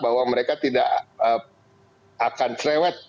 bahwa mereka tidak akan cerewet